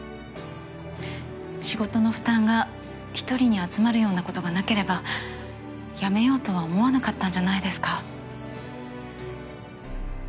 仕事の負担が１人に集まるようなことがなければ辞めようとは思わなかったんじゃないですか？